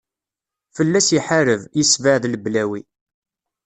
Fell-as iḥareb, yessebɛed leblawi.